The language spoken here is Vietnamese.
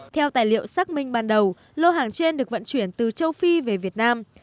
theo tài liệu xác minh ban đầu lô hàng trên được vận chuyển từ châu phi về việt nam